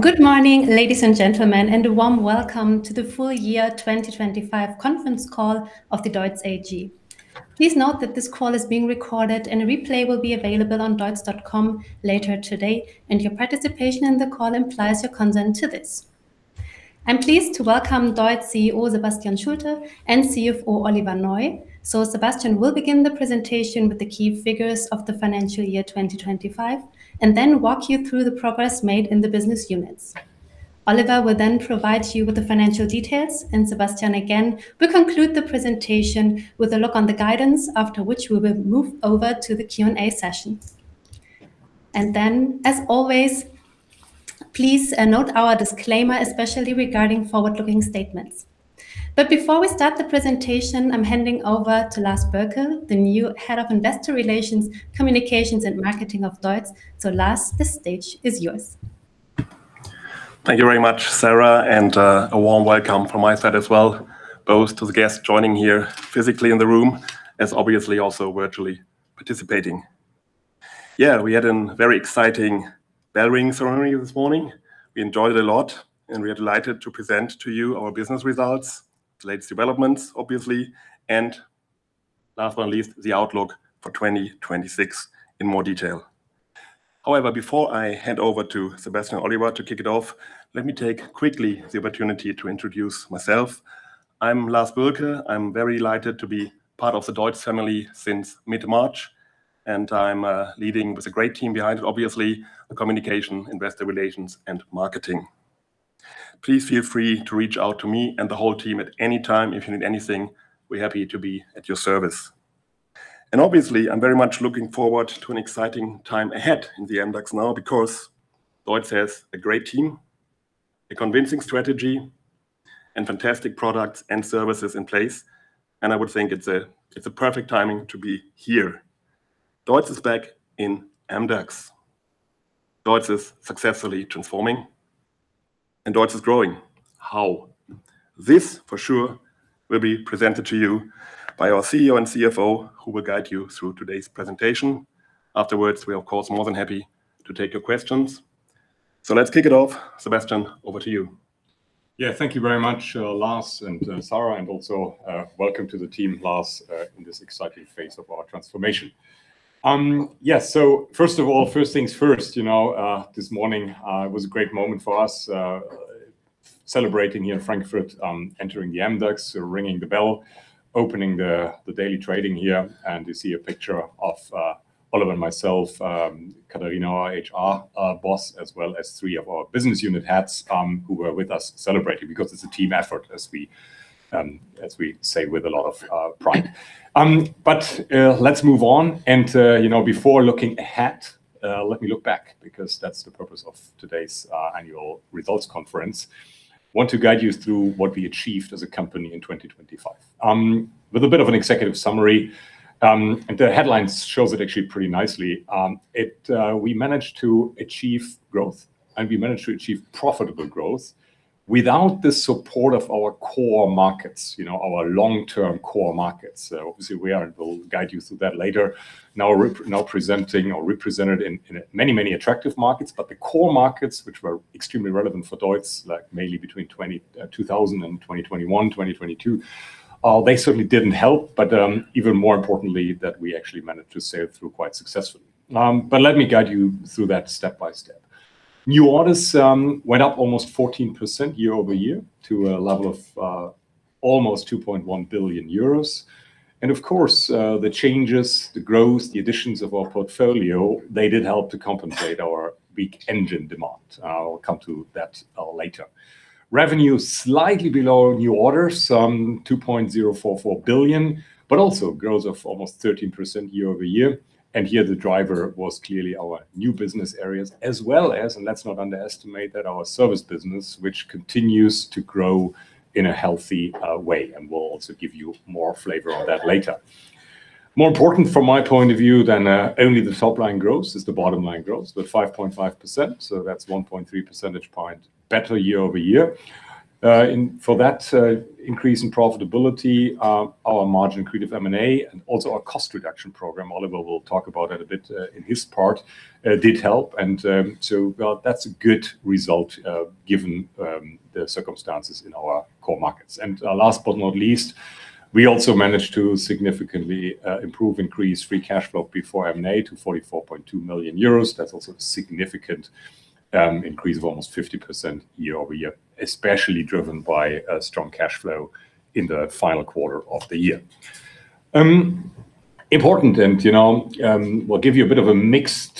Good morning, ladies and gentlemen, and a warm welcome to the full year 2025 conference call of the DEUTZ AG. Please note that this call is being recorded and a replay will be available on DEUTZ.com later today, and your participation in the call implies your consent to this. I'm pleased to welcome DEUTZ CEO Sebastian Schulte and CFO Oliver Neu. Sebastian will begin the presentation with the key figures of the financial year 2025 and then walk you through the progress made in the business units. Oliver will then provide you with the financial details, and Sebastian again will conclude the presentation with a look on the guidance. After which, we will move over to the Q&A session. As always, please note our disclaimer, especially regarding forward-looking statements. Before we start the presentation, I'm handing over to Lars Boelke, the new Head of Investor Relations, Communications and Marketing of DEUTZ. Lars, the stage is yours. Thank you very much, Sarah, and, a warm welcome from my side as well, both to the guests joining here physically in the room, as obviously also virtually participating. Yeah, we had a very exciting bell-ringing ceremony this morning. We enjoyed it a lot, and we are delighted to present to you our business results, the latest developments obviously, and last but not least, the outlook for 2026 in more detail. However, before I hand over to Sebastian and Oliver to kick it off, let me take quickly the opportunity to introduce myself. I'm Lars Boelke. I'm very delighted to be part of the DEUTZ family since mid-March, and I'm leading with a great team behind, obviously, the communication, investor relations and marketing. Please feel free to reach out to me and the whole team at any time if you need anything. We're happy to be at your service. Obviously, I'm very much looking forward to an exciting time ahead in the MDAX now because DEUTZ has a great team, a convincing strategy and fantastic products and services in place, and I would think it's a perfect timing to be here. DEUTZ is back in MDAX. DEUTZ is successfully transforming, and DEUTZ is growing. How? This for sure will be presented to you by our CEO and CFO who will guide you through today's presentation. Afterwards, we are of course, more than happy to take your questions. Let's kick it off. Sebastian, over to you. Yeah. Thank you very much, Lars and Sarah, and also welcome to the team, Lars, in this exciting phase of our transformation. Yes. First of all, first things first, you know, this morning was a great moment for us, celebrating here in Frankfurt, entering the MDAX, ringing the bell, opening the daily trading here. You see a picture of Oliver and myself, Katharina, our HR boss, as well as three of our Business Unit heads, who were with us celebrating because it's a team effort, as we say with a lot of pride. Let's move on. You know, before looking ahead, let me look back because that's the purpose of today's annual results conference. want to guide you through what we achieved as a company in 2025, with a bit of an executive summary. The headlines shows it actually pretty nicely. We managed to achieve growth, and we managed to achieve profitable growth without the support of our core markets, you know, our long-term core markets. Obviously we are now represented in many attractive markets, and we'll guide you through that later. The core markets which were extremely relevant for DEUTZ, like mainly between 2020 and 2021, 2022, they certainly didn't help. Even more importantly that we actually managed to sail through quite successfully. Let me guide you through that step by step. New orders went up almost 14% year-over-year to a level of almost 2.1 billion euros. Of course, the changes, the growth, the additions of our portfolio, they did help to compensate our weak engine demand. I'll come to that later. Revenue slightly below new orders, 2.044 billion, but also growth of almost 13% year-over-year. Here the driver was clearly our new business areas as well as, and let's not underestimate that, our service business, which continues to grow in a healthy way. We'll also give you more flavor on that later. More important from my point of view than only the top line growth is the bottom line growth, the 5.5%, so that's 1.3 percentage point better year-over-year. For that increase in profitability, our margin accretive M&A and also our cost reduction program, Oliver will talk about that a bit in his part, did help. Well, that's a good result given the circumstances in our core markets. Last but not least, we also managed to significantly increase free cash flow before M&A to 44.2 million euros. That's also a significant increase of almost 50% year-over-year, especially driven by a strong cash flow in the final quarter of the year. Important and, you know, we'll give you a bit of a mixed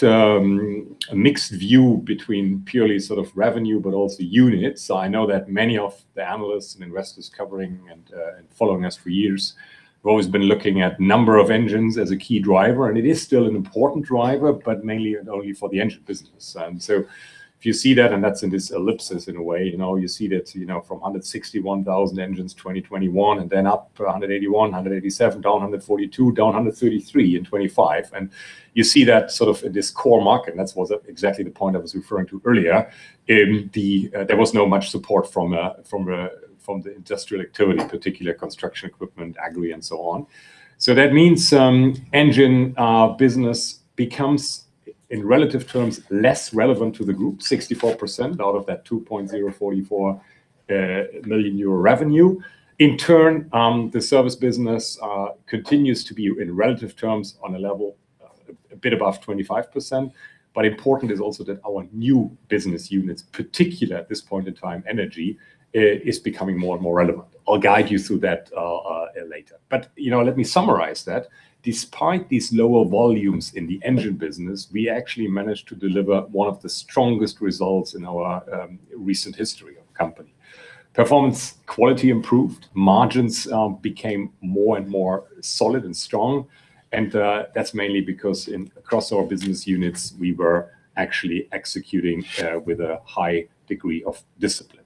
view between purely sort of revenue but also units. I know that many of the analysts and investors covering and following us for years have always been looking at number of engines as a key driver, and it is still an important driver, but mainly and only for the engine business. If you see that, and that's in this analysis in a way, you know, you see that, you know, from 161,000 engines in 2021 and then up to 181,000, 187,000, down 142,000, down 133,000 in 2025. You see that sort of this core market, and that was exactly the point I was referring to earlier. There was not much support from the industrial activity, particularly construction equipment, agri and so on. That means, engine business becomes in relative terms, less relevant to the group, 64% out of that 2,044 million euro revenue. In turn, the service business continues to be in relative terms on a level a bit above 25%. Important is also that our new business units, particularly at this point in time, energy, is becoming more and more relevant. I'll guide you through that later. You know, let me summarize that. Despite these lower volumes in the engine business, we actually managed to deliver one of the strongest results in our recent history of company. Performance quality improved, margins became more and more solid and strong. That's mainly because across our business units, we were actually executing with a high degree of discipline.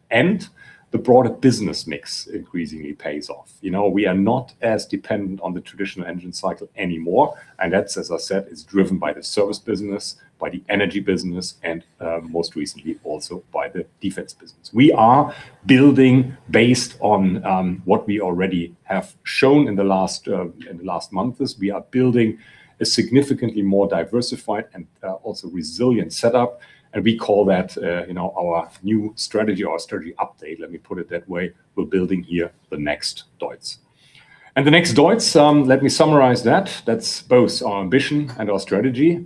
The broader business mix increasingly pays off. You know, we are not as dependent on the traditional engine cycle anymore. That's, as I said, is driven by the service business, by the energy business, and most recently also by the defense business. We are building based on what we already have shown in the last months. We are building a significantly more diversified and also resilient setup. We call that, you know, our new strategy or strategy update. Let me put it that way. We're building here the Next DEUTZ. The Next DEUTZ, let me summarize that. That's both our ambition and our strategy.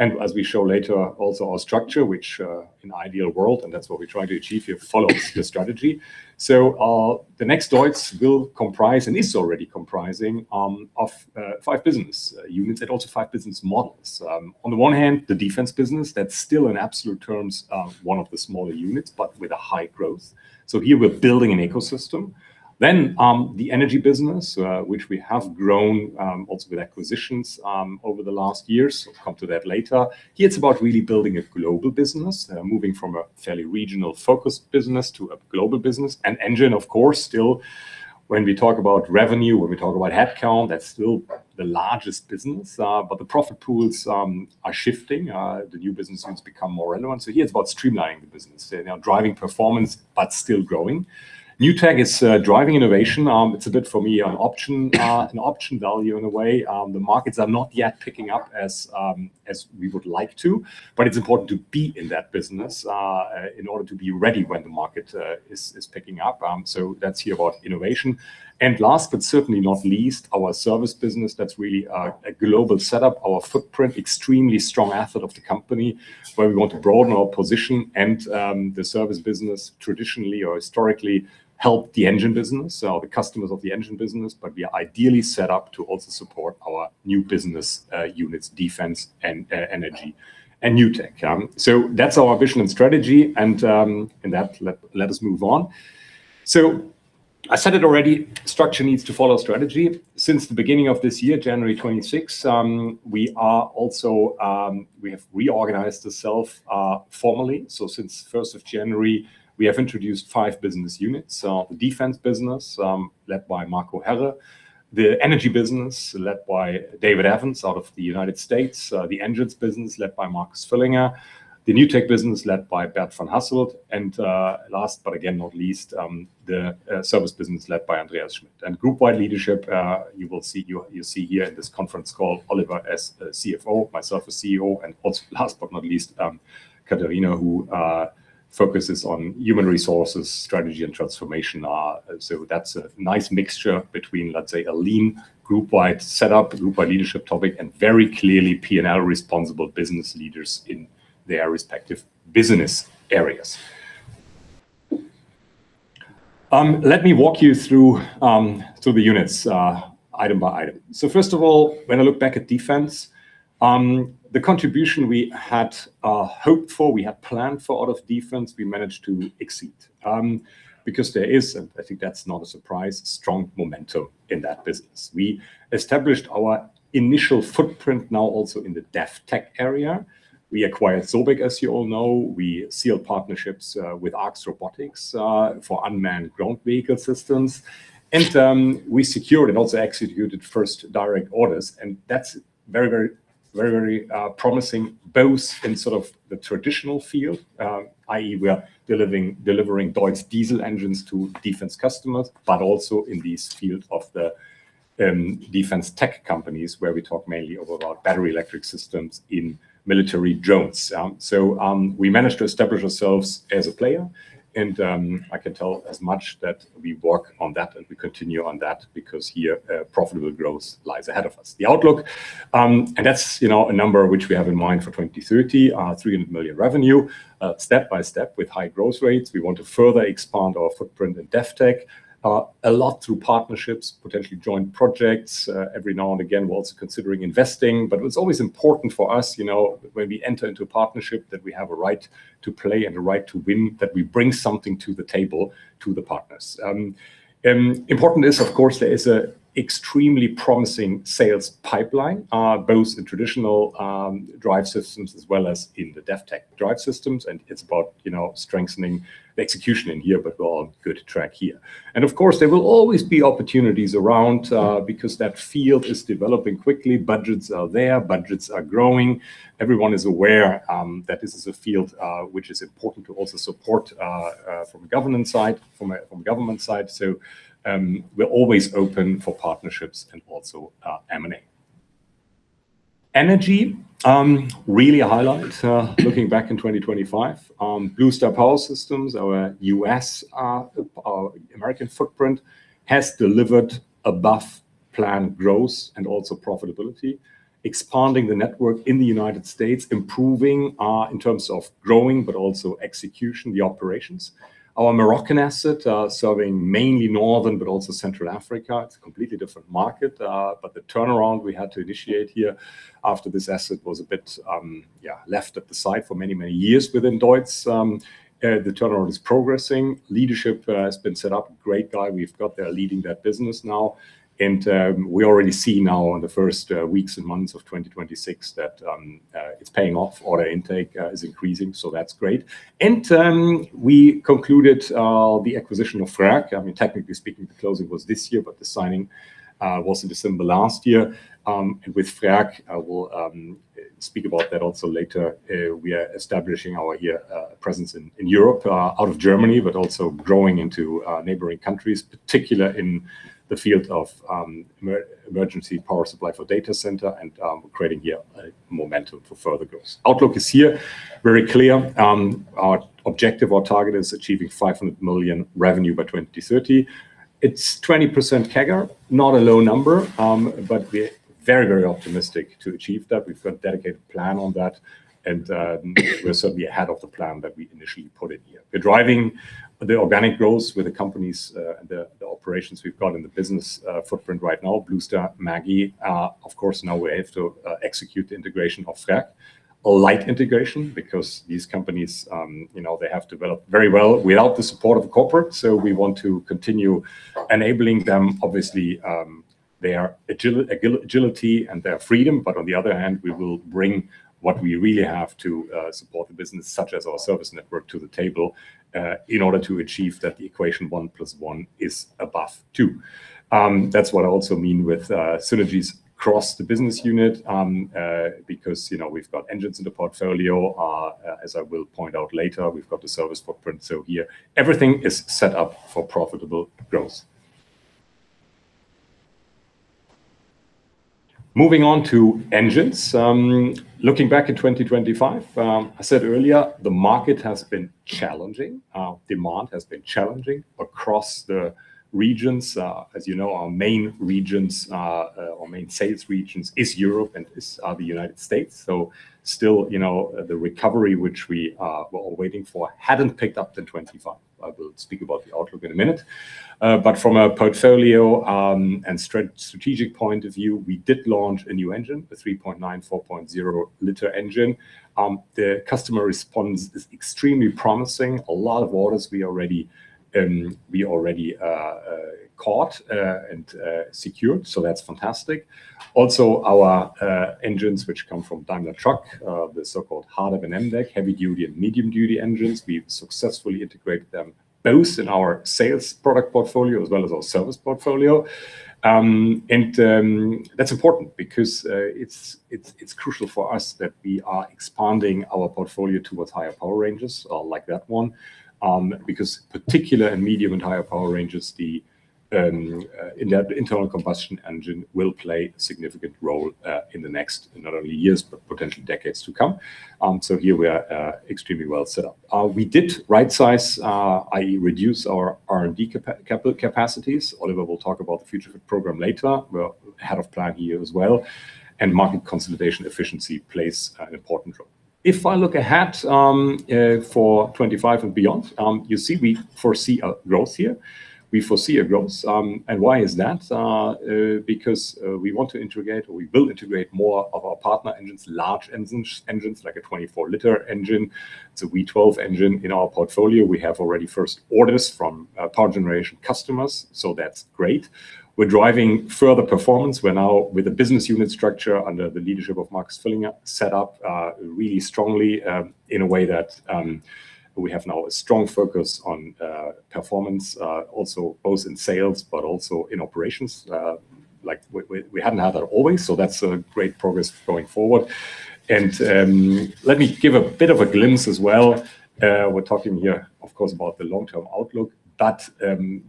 As we show later, also our structure, which in an ideal world, and that's what we're trying to achieve here, follows the strategy. The Next DEUTZ will comprise and is already comprising of five business units and also five business models. On the one hand, the Defense business, that's still in absolute terms one of the smaller units, but with a high growth. Here we're building an ecosystem. The energy business, which we have grown also with acquisitions over the last years. I'll come to that later. Here it's about really building a global business, moving from a fairly regional focused business to a global business. Engines, of course, still when we talk about revenue, when we talk about headcount, that's still the largest business. The profit pools are shifting. The new business units become more relevant. Here it's about streamlining the business, driving performance, but still growing. NewTech is driving innovation. It's a bit for me an option value in a way. The markets are not yet picking up as we would like to, but it's important to be in that business in order to be ready when the market is picking up. That's here about innovation. Last but certainly not least, our service business. That's really a global setup. Our footprint, extremely strong asset of the company where we want to broaden our position. The service business traditionally or historically helped the engine business or the customers of the engine business. We are ideally set up to also support our new business units, defense and energy and new tech. That's our vision and strategy. In that, let us move on. I said it already, structure needs to follow strategy. Since the beginning of this year, January 2026, we have reorganized ourselves formally. Since 1st of January, we have introduced five business units. Defense business led by Marco Herre. The energy business led by David Evans out of the United States. The engines business led by Markus Villinger. The new tech business led by Bert van Hasselt. Last but again not least, the service business led by Andreas Schmidt. Group wide leadership, you will see, you see here in this conference call, Oliver as CFO, myself as CEO, and also last but not least, Katharina, who focuses on human resources, strategy and transformation. That's a nice mixture between, let's say, a lean group wide setup, group wide leadership topic, and very clearly P&L responsible business leaders in their respective business areas. Let me walk you through the units item by item. First of all, when I look back at defense, the contribution we had hoped for, we had planned for out of defense, we managed to exceed. Because there is, and I think that's not a surprise, strong momentum in that business. We established our initial footprint now also in the DefTech area. We acquired SOBEK, as you all know. We sealed partnerships with ARX Robotics for unmanned ground vehicle systems. We secured and also executed first direct orders. That's very, very promising, both in sort of the traditional field, i.e. we are delivering DEUTZ diesel engines to defense customers, but also in this field of the defense tech companies, where we talk mainly about battery electric systems in military drones. We managed to establish ourselves as a player. I can tell as much that we work on that and we continue on that because here profitable growth lies ahead of us. The outlook, and that's a number which we have in mind for 2030, 300 million revenue, step by step with high growth rates. We want to further expand our footprint in DefTech, a lot through partnerships, potentially joint projects. Every now and again, we're also considering investing. But what's always important for us, you know, when we enter into a partnership, that we have a right to play and a right to win, that we bring something to the table to the partners. Important is, of course, there is an extremely promising sales pipeline, both in traditional drive systems as well as in the DefTech drive systems. It's about, you know, strengthening the execution in here, but we're on good track here. Of course, there will always be opportunities around because that field is developing quickly. Budgets are there. Budgets are growing. Everyone is aware that this is a field which is important to also support from government side. We're always open for partnerships and also M&A. Energy, really a highlight, looking back in 2025. Blue Star Power Systems, our U.S. American footprint has delivered above plan growth and also profitability, expanding the network in the United States, improving in terms of growing, but also execution, the operations. Our Moroccan asset, serving mainly Northern but also Central Africa, it's a completely different market, but the turnaround we had to initiate here after this asset was a bit, yeah, left at the side for many, many years within DEUTZ, the turnaround is progressing. Leadership has been set up. Great guy we've got there leading that business now. We already see now in the first weeks and months of 2026 that it's paying off. Order intake is increasing, so that's great. We concluded the acquisition of Frerk. I mean, technically speaking, the closing was this year, but the signing was in December last year. With Frerk, I will speak about that also later. We are establishing our European presence in Europe out of Germany, but also growing into neighboring countries, particularly in the field of emergency power supply for data centers and creating here a momentum for further growth. Outlook is here very clear. Our objective, our target is achieving 500 million revenue by 2030. It's 20% CAGR, not a low number, but we're very, very optimistic to achieve that. We've got a dedicated plan on that and, we're certainly ahead of the plan that we initially put in here. We're driving the organic growth with the companies, and the operations we've got in the business footprint right now, Blue Star, Magi. Of course, now we have to execute the integration of Frerk, a light integration because these companies, you know, they have developed very well without the support of corporate. We want to continue enabling them, obviously, their agility and their freedom. On the other hand, we will bring what we really have to support the business, such as our service network, to the table, in order to achieve that the equation one plus one is above two. That's what I also mean with synergies across the business unit, because, you know, we've got engines in the portfolio. As I will point out later, we've got the service footprint. Here everything is set up for profitable growth. Moving on to engines. Looking back at 2025, I said earlier the market has been challenging. Demand has been challenging across the regions. As you know, our main regions, our main sales regions is Europe and is the United States. Still, you know, the recovery which we were all waiting for hadn't picked up till 2025. I will speak about the outlook in a minute. From a portfolio and strategic point of view, we did launch a new engine, a 3.9 L/4.0 L engine. The customer response is extremely promising. A lot of orders we already caught and secured. That's fantastic. Also, our engines which come from Daimler Truck, the so-called HDEP and MDEG, heavy-duty and medium-duty engines, we've successfully integrated them both in our sales product portfolio as well as our service portfolio. And that's important because it's crucial for us that we are expanding our portfolio towards higher power ranges like that one, because heavy and medium and higher power ranges, the internal combustion engine will play a significant role in the next not only years but potential decades to come. Here we are extremely well set up. We did right-size, i.e. reduce our R&D capacities. Oliver will talk about the Future Fit program later. We're ahead of plan here as well. Market consolidation efficiency plays an important role. If I look ahead for 2025 and beyond, you see we foresee a growth here. We foresee a growth. Why is that? Because we want to integrate or we will integrate more of our partner engines, large engines like a 24-L engine. It's a V12 engine in our portfolio. We have already first orders from power generation customers, so that's great. We're driving further performance. We're now with a business unit structure under the leadership of Markus Villinger set up really strongly in a way that we have now a strong focus on performance also both in sales but also in operations. Like we hadn't had that always, so that's a great progress going forward. Let me give a bit of a glimpse as well. We're talking here of course about the long-term outlook, but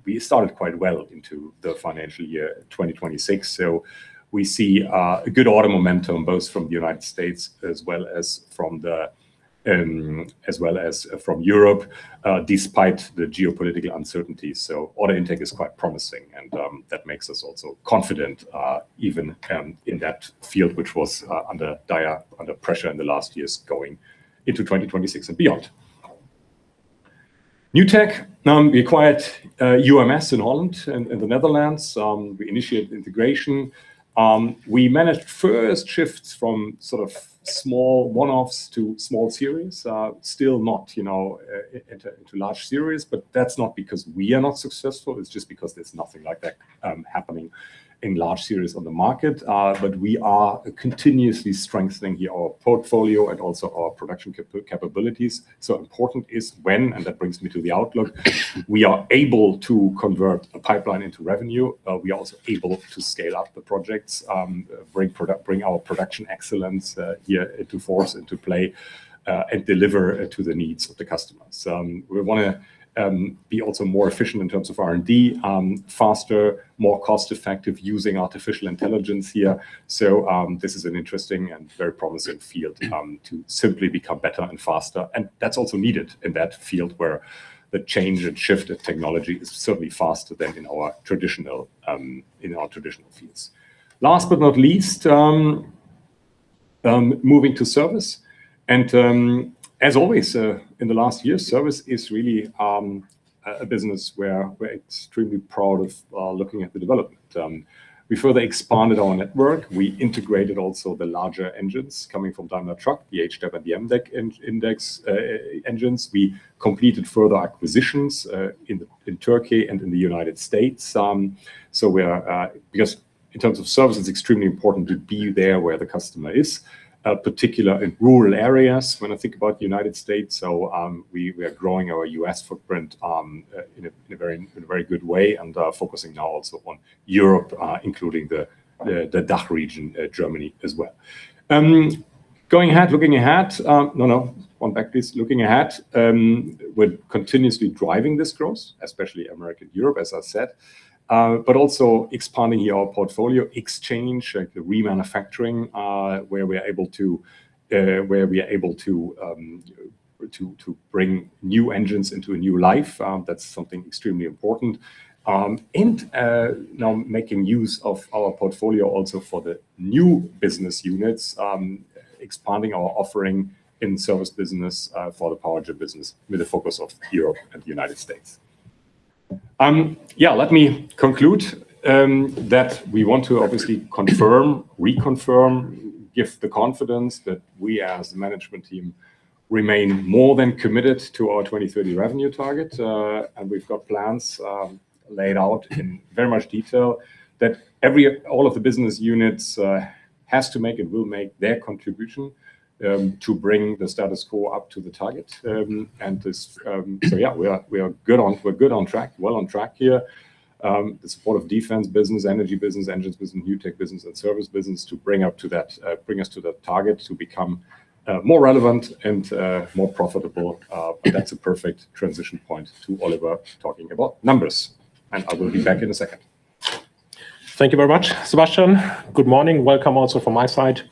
we started quite well into the financial year 2026. We see a good order momentum both from the United States as well as from Europe despite the geopolitical uncertainty. Order intake is quite promising and that makes us also confident even in that field which was under pressure in the last years going into 2026 and beyond. NewTech. We acquired UMS in Holland, in the Netherlands. We initiated integration. We managed first shifts from sort of small one-offs to small series. Still not, you know, into large series, but that's not because we are not successful. It's just because there's nothing like that happening in large series on the market. We are continuously strengthening here our portfolio and also our production capabilities. Important is when, and that brings me to the outlook, we are able to convert a pipeline into revenue. We are also able to scale up the projects, bring our production excellence here into force, into play, and deliver to the needs of the customers. We wanna be also more efficient in terms of R&D, faster, more cost-effective using artificial intelligence here. This is an interesting and very promising field to simply become better and faster. That's also needed in that field where the change and shift of technology is certainly faster than in our traditional fields. Last but not least, moving to service. As always, in the last years, service is really a business where we're extremely proud of, looking at the development. We further expanded our network. We integrated also the larger engines coming from Daimler Truck, the HDEP and the MDEG engines. We completed further acquisitions in Turkey and in the United States. Because in terms of service, it's extremely important to be there where the customer is, particular in rural areas when I think about the United States. We are growing our U.S. footprint in a very good way and focusing now also on Europe, including the DACH region, Germany as well. Going back, please. Looking ahead, we're continuously driving this growth, especially in America and Europe, as I said, but also expanding our portfolio, e.g., like the remanufacturing, where we're able to bring new engines into a new life. That's something extremely important. Now making use of our portfolio also for the new business units, expanding our offering in service business, for the power gen business with the focus on Europe and the United States. Yeah, let me conclude that we want to obviously confirm, reconfirm, give the confidence that we as the management team remain more than committed to our 2030 revenue target. We've got plans laid out in very much detail that every- All of the business units has to make and will make their contribution to bring the status quo up to the target. Yeah, we're good on track, well on track here. The support of Defense Business, Energy Business, Engines Business, NewTech Business, and Service Business to bring up to that, bring us to the target to become more relevant and more profitable. That's a perfect transition point to Oliver talking about numbers, and I will be back in a second. Thank you very much, Sebastian. Good morning. Welcome also from my side.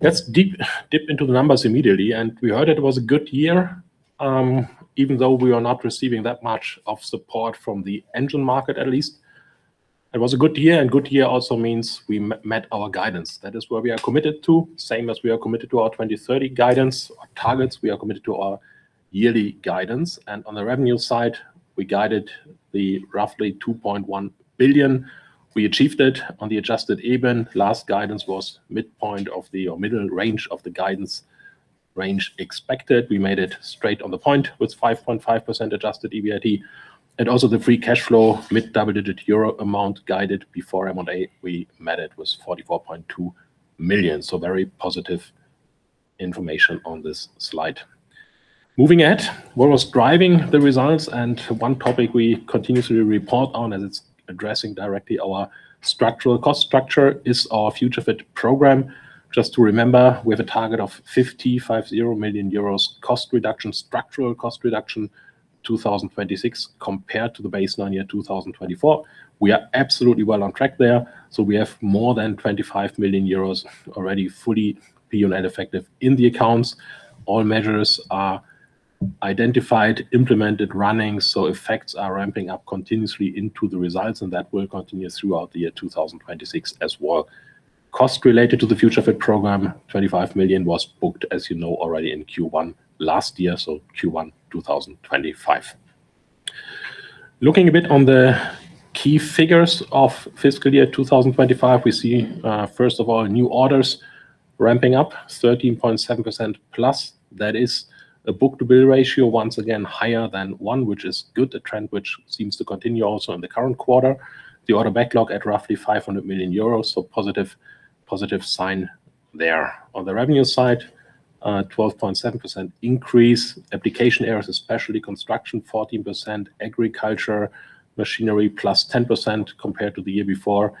Let's dive into the numbers immediately. We heard it was a good year, even though we are not receiving that much support from the engine market, at least. It was a good year, good year also means we met our guidance. That is where we are committed to, same as we are committed to our 2030 guidance, our targets. We are committed to our yearly guidance. On the revenue side, we guided to roughly 2.1 billion. We achieved it on the adjusted EBIT. Last guidance was midpoint or middle range of the guidance range expected. We made it straight on the point with 5.5% adjusted EBIT. Also, the free cash flow, mid-double digit EUR amount guided before M&A, we met it, was 44.2 million. Very positive information on this slide. Moving ahead, what was driving the results? One topic we continuously report on as it's addressing directly our structural cost structure is our Future Fit program. Just to remember, we have a target of 55 million euros cost reduction, structural cost reduction 2026 compared to the baseline year 2024. We are absolutely well on track there. We have more than 25 million euros already fully P&L effective in the accounts. All measures are identified, implemented, running, so effects are ramping up continuously into the results, and that will continue throughout the year 2026 as well. Costs related to the Future Fit program, 25 million, was booked, as you know already, in Q1 last year, so Q1 2025. Looking a bit on the key figures of fiscal year 2025, we see, first of all, new orders ramping up 13.7%. That is a book-to-bill ratio once again higher than one, which is good. A trend which seems to continue also in the current quarter. The order backlog at roughly 500 million euros, so positive sign there. On the revenue side, 12.7% increase. Application areas, especially construction, 14%. Agriculture machinery, +10% compared to the year before.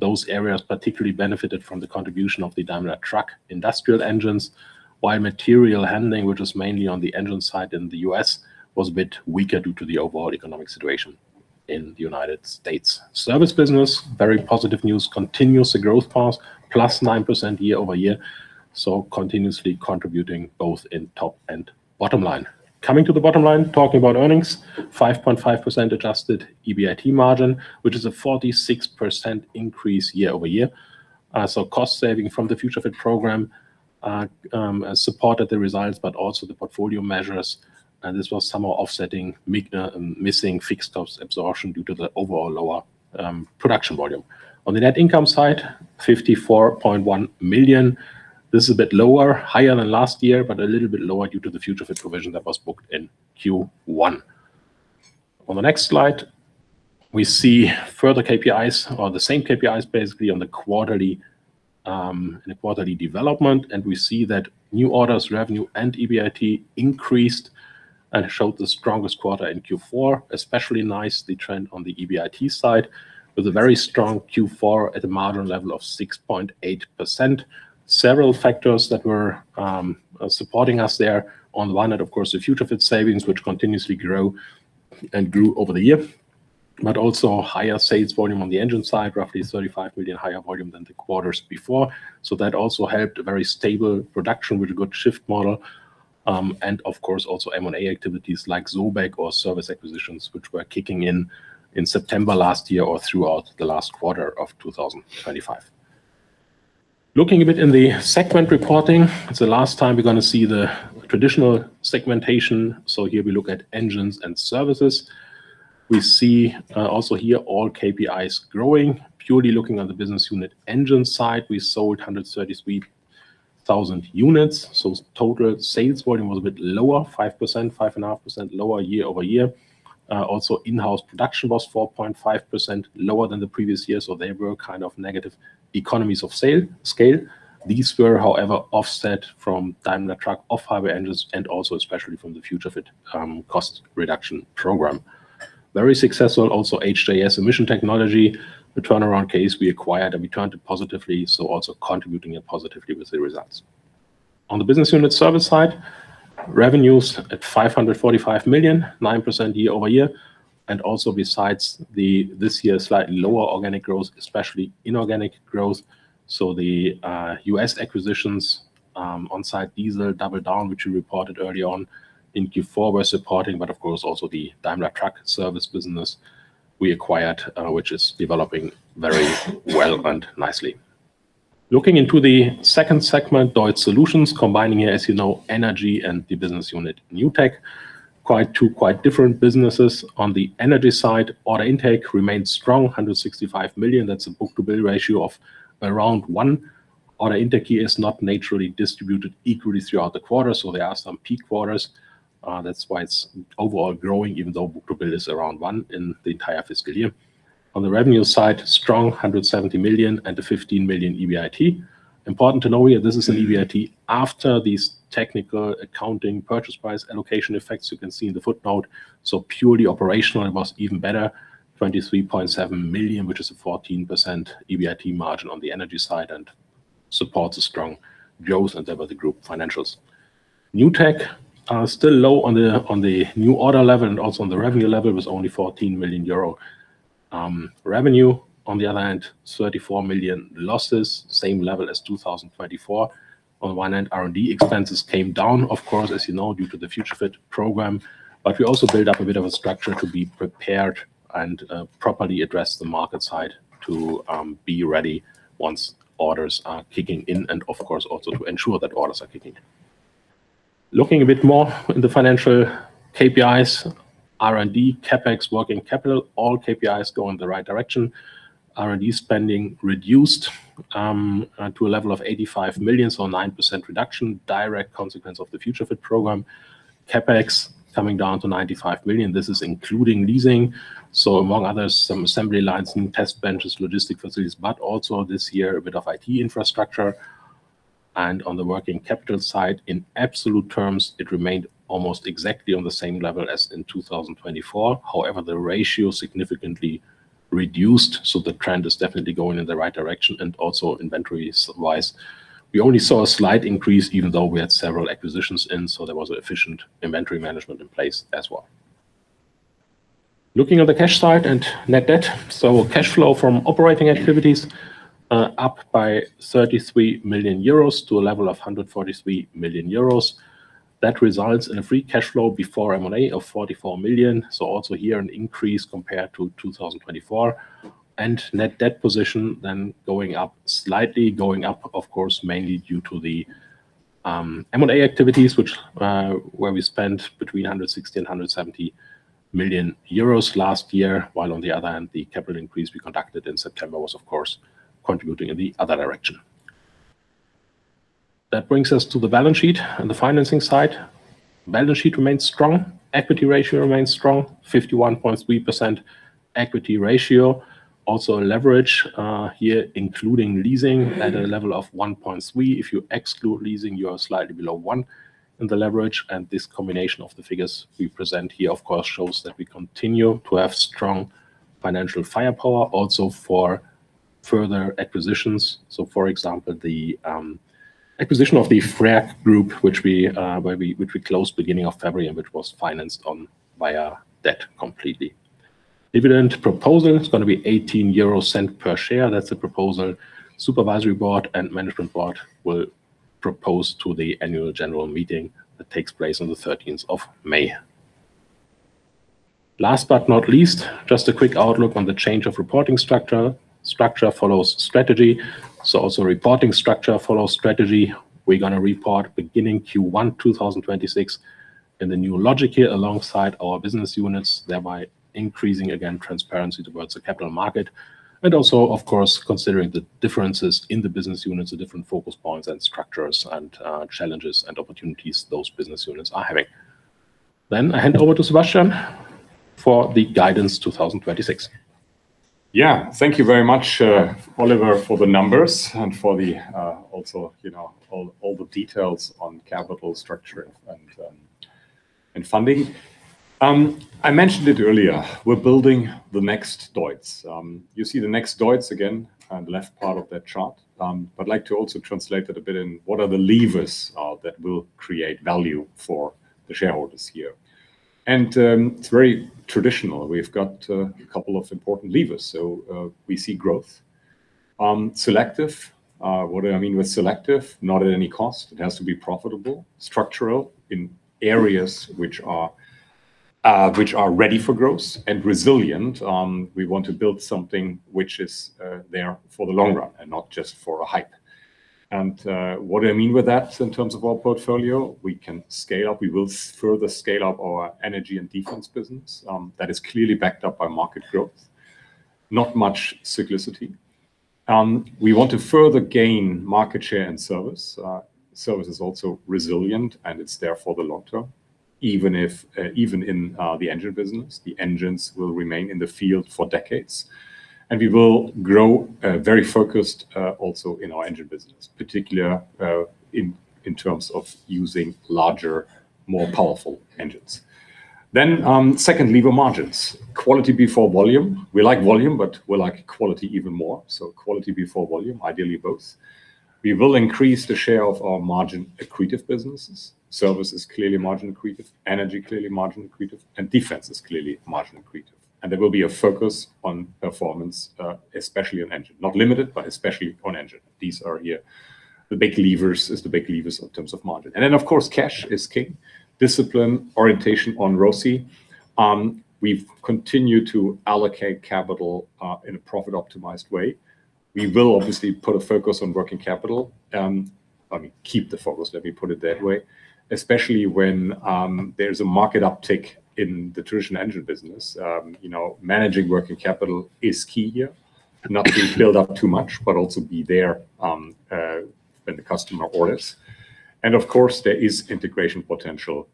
Those areas particularly benefited from the contribution of the Daimler Truck industrial engines, while material handling, which was mainly on the engine side in the U.S., was a bit weaker due to the overall economic situation in the United States. Service business, very positive news, continues the growth path, +9% year-over-year, continuously contributing both in top and bottom line. Coming to the bottom line, talking about earnings, 5.5% adjusted EBIT margin, which is a 46% increase year-over-year. Cost saving from the Future Fit program supported the results, but also the portfolio measures, and this was somehow offsetting missing fixed cost absorption due to the overall lower production volume. On the net income side, 54.1 million. This is a bit lower. Higher than last year, but a little bit lower due to the Future Fit provision that was booked in Q1. On the next slide, we see further KPIs or the same KPIs basically on the quarterly, in the quarterly development. We see that new orders, revenue, and EBIT increased and showed the strongest quarter in Q4, especially nice the trend on the EBIT side with a very strong Q4 at a margin level of 6.8%. Several factors that were supporting us there. On the one hand, of course, the Future Fit savings, which continuously grow and grew over the year, but also higher sales volume on the engine side, roughly 35 million higher volume than the quarters before. That also helped a very stable production with a good shift model. Of course also M&A activities like SOBEK or service acquisitions, which were kicking in in September last year or throughout the last quarter of 2025. Looking a bit in the segment reporting, it's the last time we're going to see the traditional segmentation. Here we look at engines and services. We see, also here all KPIs growing. Purely looking at the business unit engine side, we sold 133,000 units. Total sales volume was a bit lower, 5%, 5.5% lower year-over-year. Also in-house production was 4.5% lower than the previous year. There were kind of negative economies of scale. These were, however, offset from Daimler Truck off-highway engines and also especially from the Future Fit cost reduction program. Very successful also HJS Emission Technology. The turnaround case we acquired and we turned it positively, so also contributing it positively with the results. On the business unit service side, revenues at 545 million, 9% year-over-year. Also besides the this year slightly lower organic growth, especially inorganic growth. The US acquisitions, OnSite Diesel, Double Down, which we reported early on in Q4 were supporting. Of course also the Daimler Truck service business we acquired, which is developing very well and nicely. Looking into the second segment, DEUTZ Solutions, combining as you know, energy and the business unit NewTech, quite two different businesses. On the energy side, order intake remains strong, 165 million. That's a book-to-bill ratio of around one. Order intake here is not naturally distributed equally throughout the quarter, so there are some peak quarters. That's why it's overall growing, even though book-to-bill is around one in the entire fiscal year. On the revenue side, strong 170 million and a 15 million EBIT. Important to know here, this is an EBIT after these technical accounting purchase price allocation effects you can see in the footnote. So purely operational, it was even better, 23.7 million, which is a 14% EBIT margin on the Energy side and supports a strong growth and thereby the group financials. NewTech, still low on the new order level and also on the revenue level with only 14 million euro revenue. On the other hand, 34 million losses, same level as 2024. On the one hand, R&D expenses came down, of course, as you know, due to the Future Fit program. We also build up a bit of a structure to be prepared and properly address the market side to be ready once orders are kicking in, and of course also to ensure that orders are kicking in. Looking a bit more in the financial KPIs, R&D, CapEx, working capital, all KPIs go in the right direction. R&D spending reduced to a level of 85 million, so a 9% reduction, direct consequence of the Future Fit program. CapEx coming down to 95 million. This is including leasing. So among others, some assembly lines, new test benches, logistic facilities, but also this year a bit of IT infrastructure. On the working capital side, in absolute terms, it remained almost exactly on the same level as in 2024. However, the ratio significantly reduced, so the trend is definitely going in the right direction. Also inventories-wise, we only saw a slight increase even though we had several acquisitions in, so there was efficient inventory management in place as well. Looking at the cash side and net debt. Cash flow from operating activities up by 33 million euros to a level of 143 million euros. That results in a free cash flow before M&A of 44 million, so also here an increase compared to 2024. Net debt position then going up slightly of course mainly due to the M&A activities where we spent between 160 million euros and 170 million euros last year, while on the other hand, the capital increase we conducted in September was of course contributing in the other direction. That brings us to the balance sheet and the financing side. Balance sheet remains strong. Equity ratio remains strong. 51.3% equity ratio. Also, leverage here including leasing at a level of 1.3x. If you exclude leasing, you are slightly below 1x in the leverage. This combination of the figures we present here of course shows that we continue to have strong financial firepower also for further acquisitions. For example, the acquisition of the Frerk group, which we closed beginning of February and which was financed via debt completely. Dividend proposal is going to be 0.18 per share. That's the proposal Supervisory Board and Management Board will propose to the Annual General Meeting that takes place on the 13th of May. Last but not least, just a quick outlook on the change of reporting structure. Structure follows strategy, so also reporting structure follows strategy. We're going to report beginning Q1 2026 in the new logic here alongside our business units, thereby increasing again transparency towards the capital market. Also of course, considering the differences in the business units, the different focus points and structures and challenges and opportunities those business units are having. I hand over to Sebastian for the guidance 2026. Yeah. Thank you very much, Oliver, for the numbers and for the also, you know, all the details on capital structure and funding. I mentioned it earlier. We're building the Next DEUTZ. You see the Next DEUTZ again on the left part of that chart. I'd like to also translate it a bit in what are the levers that will create value for the shareholders here. It's very traditional. We've got a couple of important levers. We see growth, selective. What do I mean with selective? Not at any cost. It has to be profitable. Structural in areas which are ready for growth and resilient. We want to build something which is there for the long run and not just for a hype. What do I mean with that in terms of our portfolio? We can scale up. We will further scale up our energy and defense business, that is clearly backed up by market growth. Not much cyclicity. We want to further gain market share and service. Service is also resilient, and it's there for the long term. Even in the engine business, the engines will remain in the field for decades. We will grow very focused also in our engine business, particularly in terms of using larger, more powerful engines. Second lever, margins. Quality before volume. We like volume, but we like quality even more. Quality before volume, ideally both. We will increase the share of our margin-accretive businesses. Service is clearly margin-accretive. Energy, clearly margin-accretive. Defense is clearly margin-accretive. There will be a focus on performance, especially on engine. Not limited, but especially on engine. These are the big levers in terms of margin. Of course, cash is king. Discipline, orientation on ROCE. We've continued to allocate capital in a profit-optimized way. We will obviously put a focus on working capital. I mean, keep the focus, let me put it that way, especially when there's a market uptick in the traditional engine business. You know, managing working capital is key here. Not to be filled up too much, but also be there when the customer orders. Of course, there is integration potential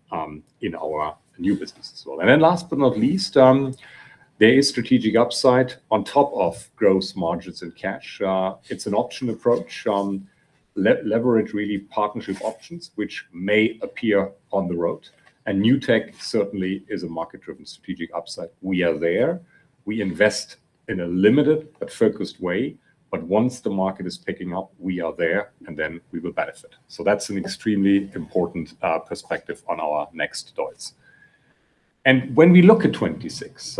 in our new business as well. Last but not least, there is strategic upside on top of gross margins and cash. It's an option approach. Leverage really partnership options which may appear on the road. NewTech certainly is a market-driven strategic upside. We are there. We invest in a limited but focused way. Once the market is picking up, we are there, and then we will benefit. That's an extremely important perspective on our Next DEUTZ. When we look at 2026,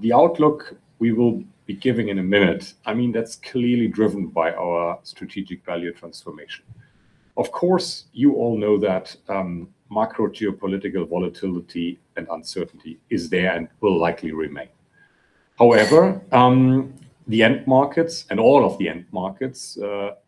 the outlook we will be giving in a minute, I mean, that's clearly driven by our strategic value transformation. Of course, you all know that, macro geopolitical volatility and uncertainty is there and will likely remain. However, the end markets and all of the end markets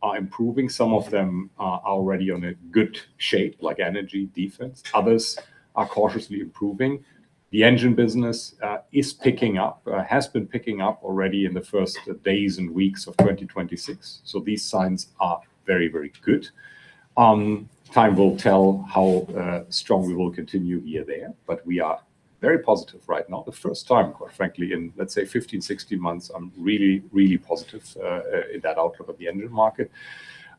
are improving. Some of them are already in good shape, like Energy, Defense. Others are cautiously improving. The engine business is picking up has been picking up already in the first days and weeks of 2026. These signs are very, very good. Time will tell how strong we will continue here there, but we are very positive right now. The first time, quite frankly, in, let's say, 15, 16 months, I'm really, really positive in that outlook of the engine market.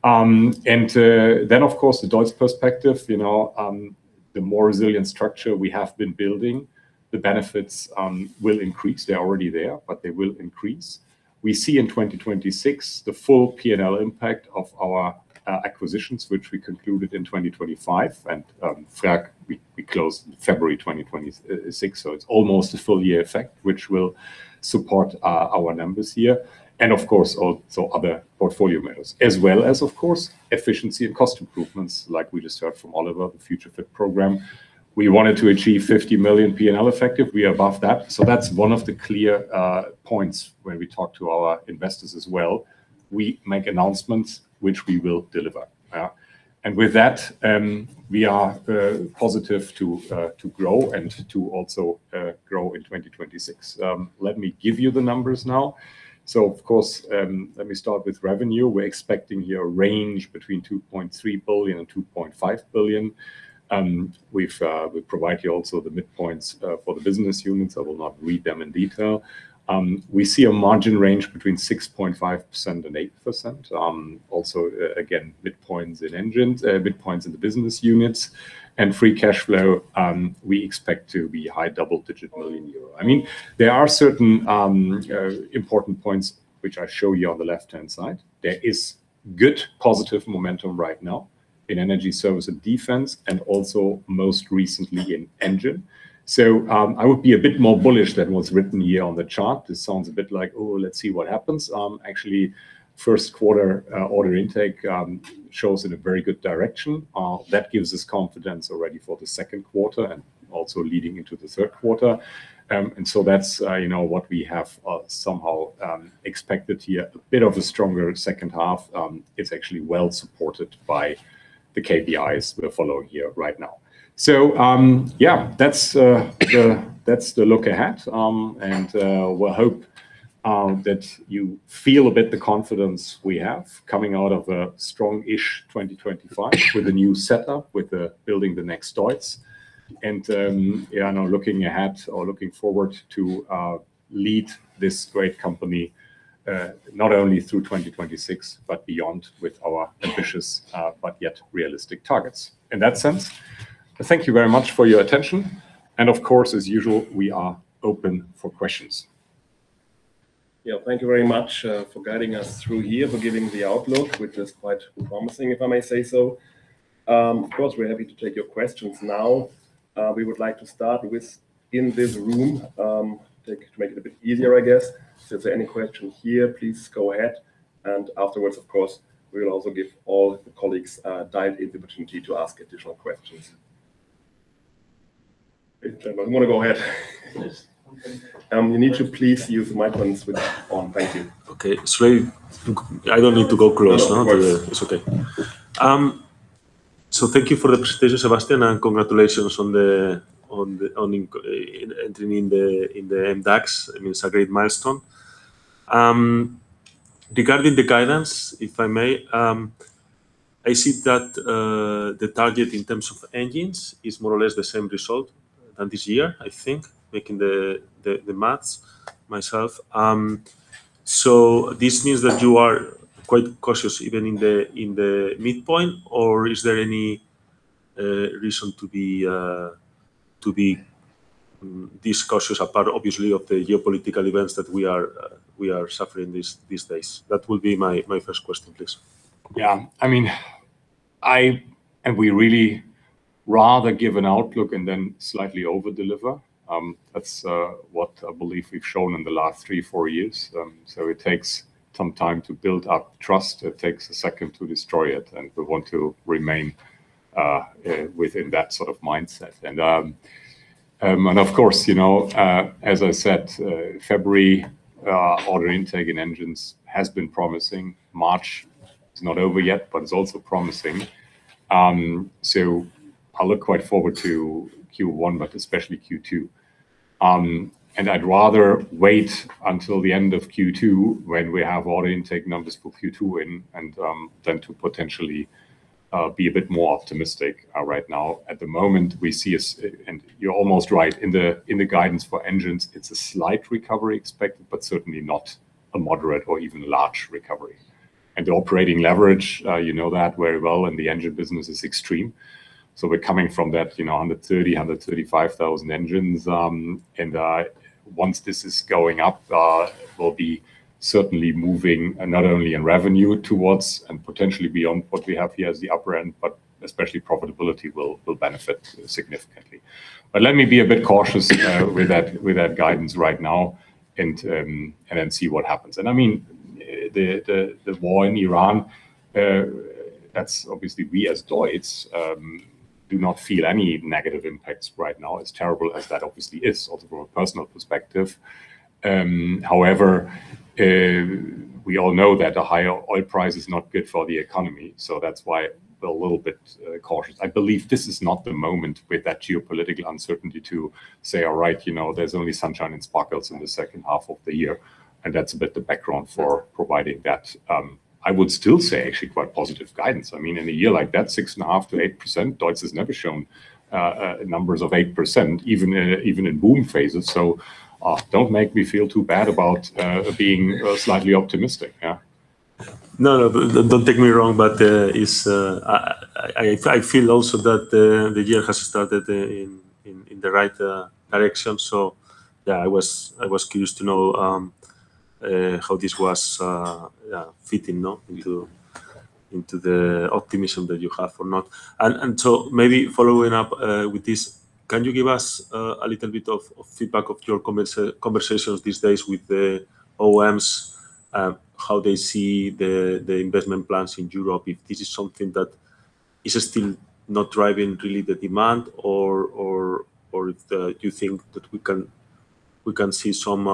Then of course, the DEUTZ perspective. You know, the more resilient structure we have been building, the benefits will increase. They're already there, but they will increase. We see in 2026 the full P&L impact of our acquisitions, which we concluded in 2025. Frerk, we closed February 2026, so it's almost a full year effect, which will support our numbers here. Of course, also other portfolio matters. As well as efficiency and cost improvements, like we just heard from Oliver, the Future Fit program. We wanted to achieve 50 million P&L effective. We are above that. That's one of the clear points when we talk to our investors as well. We make announcements which we will deliver. With that, we are positive to grow and to also grow in 2026. Let me give you the numbers now. Of course, let me start with revenue. We're expecting here a range between 2.3 billion and 2.5 billion. We provide you also the midpoints for the business units. I will not read them in detail. We see a margin range between 6.5% and 8%. Also again, midpoints in engines, midpoints in the business units. Free cash flow, we expect to be high double-digit million EUR. I mean, there are certain important points which I show you on the left-hand side. There is good positive momentum right now in energy, service, and defense, and also most recently in engine. I would be a bit more bullish than what's written here on the chart. This sounds a bit like, oh, let's see what happens. Actually, first quarter order intake shows in a very good direction. That gives us confidence already for the second quarter and also leading into the third quarter. That's, you know, what we have somehow expected here. A bit of a stronger second half is actually well supported by the KPIs we are following here right now. Yeah, that's the look ahead. We hope that you feel a bit the confidence we have coming out of a strong-ish 2025 with a new setup, with building the Next DEUTZ. Yeah, now looking ahead or looking forward to lead this great company not only through 2026, but beyond with our ambitious but yet realistic targets. In that sense, thank you very much for your attention. Of course, as usual, we are open for questions. Yeah, thank you very much for guiding us through here, for giving the outlook, which is quite promising, if I may say so. Of course, we're happy to take your questions now. We would like to start with in this room, to make it a bit easier I guess. If there are any questions here, please go ahead. Afterwards, of course, we'll also give all the colleagues, dial-in the opportunity to ask additional questions. Okay, you wanna go ahead. Yes. You need to please use the microphones on. Thank you. Okay. I don't need to go close, no? No. Of course. It's okay. Thank you for the presentation, Sebastian, and congratulations on entering the MDAX. I mean, it's a great milestone. Regarding the guidance, if I may, I see that the target in terms of engines is more or less the same result than this year, I think, making the math myself. This means that you are quite cautious even in the midpoint, or is there any reason to be this cautious apart obviously of the geopolitical events that we are suffering these days? That will be my first question, please. Yeah. I mean, we really rather give an outlook and then slightly over-deliver. That's what I believe we've shown in the last three, four years. It takes some time to build up trust. It takes a second to destroy it, and we want to remain within that sort of mindset. Of course, you know, as I said, February order intake in engines has been promising. March is not over yet, but it's also promising. I look quite forward to Q1, but especially Q2. I'd rather wait until the end of Q2 when we have order intake numbers for Q2 in and then to potentially be a bit more optimistic right now. At the moment, you're almost right. In the guidance for engines, it's a slight recovery expected, but certainly not a moderate or even large recovery. The operating leverage, you know that very well, in the engine business is extreme. We're coming from that, you know, 130,000, 135,000 engines. Once this is going up, we'll be certainly moving not only in revenue towards and potentially beyond what we have here as the upper end, but especially profitability will benefit significantly. Let me be a bit cautious with that guidance right now and then see what happens. I mean, the war in Iran, that's obviously we as DEUTZ do not feel any negative impacts right now, as terrible as that obviously is from a personal perspective. However, we all know that a higher oil price is not good for the economy, so that's why a little bit cautious. I believe this is not the moment with that geopolitical uncertainty to say, "All right, you know, there's only sunshine and sparkles in the second half of the year." That's a bit the background for providing that, I would still say actually quite positive guidance. I mean, in a year like that, 6.5%-8%, DEUTZ has never shown numbers of 8% even in boom phases. Don't make me feel too bad about being slightly optimistic. Yeah. No, don't take me wrong, but it's I feel also that the year has started in the right direction. Yeah, I was curious to know how this was fitting into the optimism that you have or not. Maybe following up with this, can you give us a little bit of feedback of your conversations these days with the OEMs, how they see the investment plans in Europe? If this is something that is still not driving really the demand or if you think that we can see some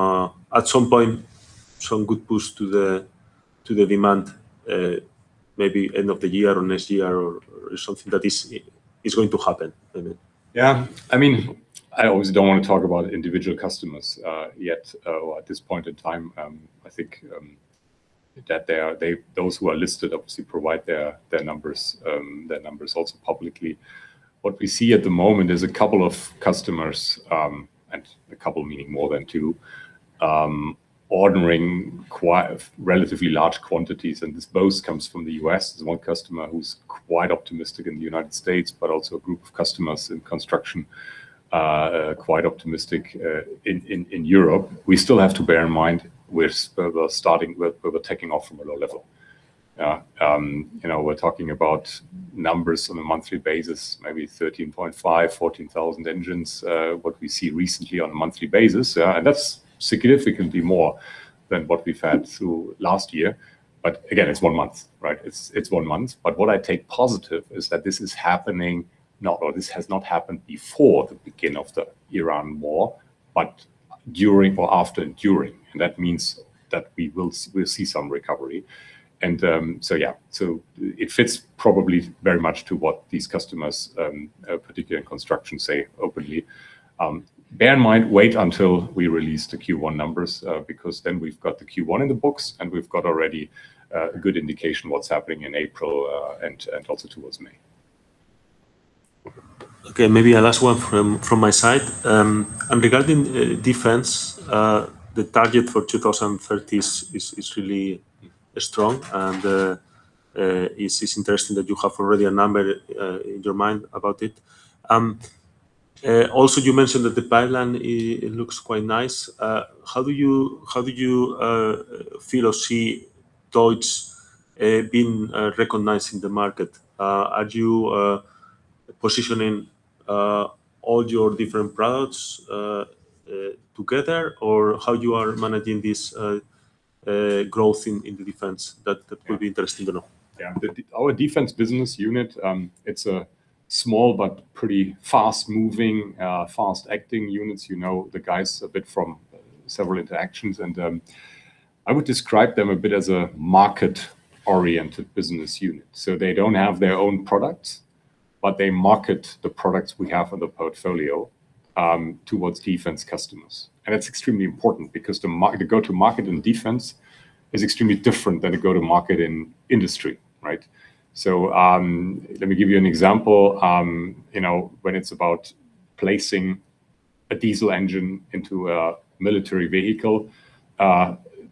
at some point some good boost to the demand maybe end of the year or next year or something that is going to happen. I mean. Yeah. I mean, I always don't wanna talk about individual customers, yet, or at this point in time. I think that they are those who are listed obviously provide their numbers also publicly. What we see at the moment is a couple of customers, and a couple meaning more than two, ordering quite relatively large quantities, and this both comes from the U.S. There's one customer who's quite optimistic in the United States, but also a group of customers in construction, quite optimistic, in Europe. We still have to bear in mind we're taking off from a low level. You know, we're talking about numbers on a monthly basis, maybe 13,500, 14,000 engines, what we see recently on a monthly basis. That's significantly more than what we've had through last year. Again, it's one month, right? What I take positive is that this is happening or this has not happened before the beginning of the Iran war, but during or after and during. That means that we'll see some recovery. Yeah. It fits probably very much to what these customers particularly in construction say openly. Bear in mind, wait until we release the Q1 numbers, because then we've got the Q1 in the books, and we've got already a good indication of what's happening in April, and also towards May. Okay, maybe a last one from my side. Regarding defense, the target for 2030 is really strong and it's interesting that you have already a number in your mind about it. Also you mentioned that the pipeline it looks quite nice. How do you feel or see DEUTZ being recognized in the market? Are you positioning all your different products together, or how you are managing this growth in the defense? That would be interesting to know. Yeah. Our defense business unit, it's a small but pretty fast-moving, fast-acting units. You know the guys a bit from several interactions and, I would describe them a bit as a market-oriented business unit. They don't have their own products, but they market the products we have in the portfolio, towards defense customers. It's extremely important because the go-to-market in defense is extremely different than a go-to-market in industry, right? Let me give you an example. You know, when it's about placing a diesel engine into a military vehicle,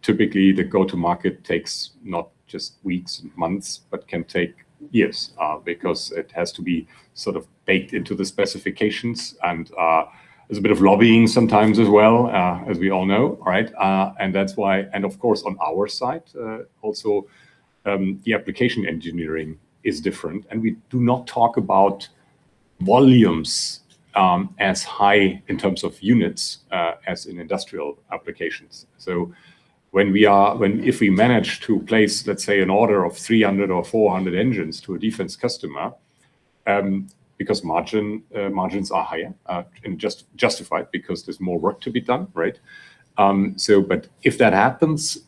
typically the go-to-market takes not just weeks and months, but can take years, because it has to be sort of baked into the specifications and, there's a bit of lobbying sometimes as well, as we all know, right? That's why. Of course, on our side, also, the application engineering is different, and we do not talk about volumes, as high in terms of units, as in industrial applications. If we manage to place, let's say, an order of 300 or 400 engines to a defense customer, because margins are higher, and justified because there's more work to be done, right? But if that happens,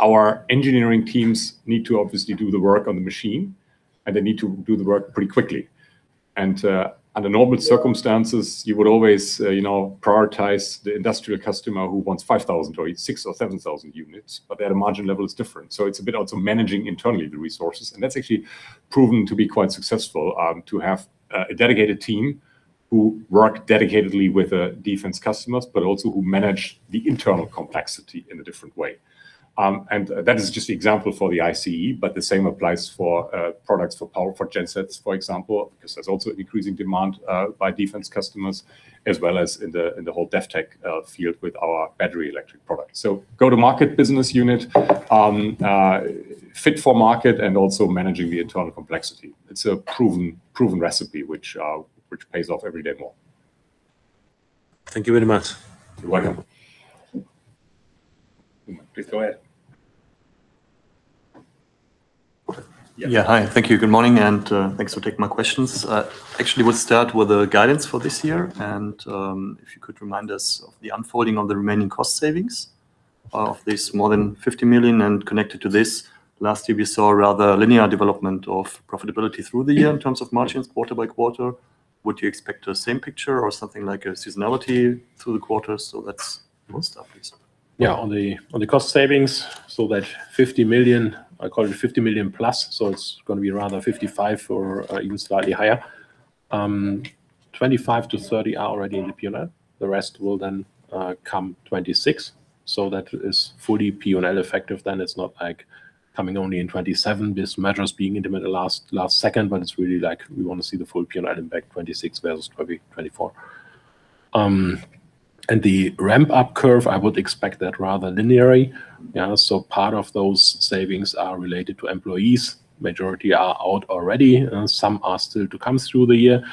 our engineering teams need to obviously do the work on the machine, and they need to do the work pretty quickly. Under normal circumstances, you would always, you know, prioritize the industrial customer who wants 5,000 or 6,000 or 7,000 units, but their margin level is different. It's a bit also managing internally the resources, and that's actually proven to be quite successful to have a dedicated team who work dedicatedly with defense customers but also who manage the internal complexity in a different way. That is just the example for the ICE, but the same applies for products for power, for gensets, for example, 'cause there's also increasing demand by defense customers as well as in the whole DefTech field with our battery electric products. Go-to-market business unit fit for market and also managing the internal complexity. It's a proven recipe which pays off every day more. Thank you very much. You're welcome. Please go ahead. Yeah. Hi. Thank you. Good morning, and thanks for taking my questions. Actually, I would start with the guidance for this year and if you could remind us of the unfolding of the remaining cost savings of more than 50 million. Connected to this, last year we saw a rather linear development of profitability through the year in terms of margins quarter by quarter. Would you expect the same picture or something like a seasonality through the quarters? That's where I'll start, please. On the cost savings, that 50 million, I call it 50+ million, so it's gonna be around 55 million or even slightly higher. 25 million-30 million are already in the P&L. The rest will then come 2026. That is fully P&L effective then. It's not like coming only in 2027. These measures being in the middle last second, but it's really like we wanna see the full P&L impact 2026 versus probably 2024. The ramp-up curve, I would expect that rather linear. Part of those savings are related to employees. Majority are out already. Some are still to come through the year,